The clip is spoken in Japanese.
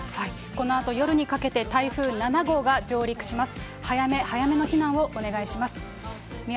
このあと、夜にかけて台風７号が上陸します。